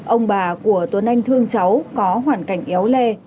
ông bà của tuấn anh thương cháu có hoàn cảnh éo le